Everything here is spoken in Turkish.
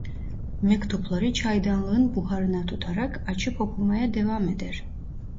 Mektupları çaydanlığın buharına tutarak açıp okumaya devam eder.